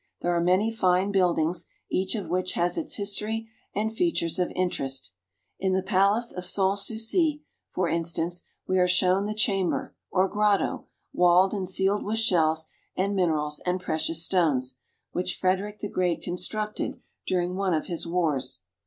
There are many fine buildings, each of which has its history and features of interest. In the Palace of Sans Souci (saN soose e), for instance, we are shown the chamber, or grotto, walled and ceiled with shells and min erals and precious stones, which Frederick the Great con structed during one of his wars.